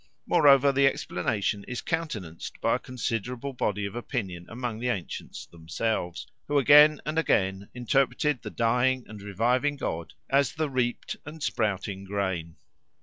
Moreover, the explanation is countenanced by a considerable body of opinion amongst the ancients themselves, who again and again interpreted the dying and reviving god as the reaped and sprouting grain.